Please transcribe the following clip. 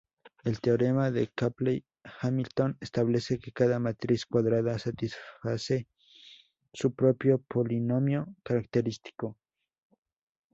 El teorema de Cayley-Hamilton establece que cada matriz cuadrada satisface su propio polinomio característico.